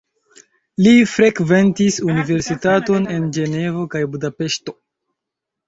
Li frekventis universitaton en Ĝenevo kaj Budapeŝto.